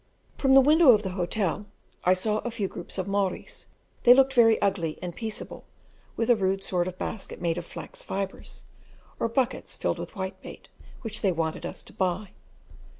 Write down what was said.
From the window of the hotel I saw a few groups of Maories; they looked very ugly and peaceable, with a rude sort of basket made of flax fibres, or buckets filled with whitebait, which they wanted us to buy.